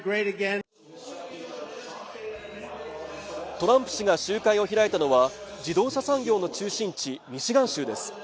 トランプ氏が集会を開いたのは自動車産業の中心地ミシガン州です